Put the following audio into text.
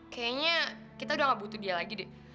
kayaknya kita udah gak butuh dia lagi deh